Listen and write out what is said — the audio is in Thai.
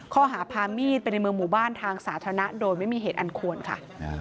ข้อหาพามีดไปในเมืองหมู่บ้านทางสาธารณะโดยไม่มีเหตุอันควรค่ะ